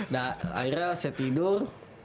nah akhirnya saya tidur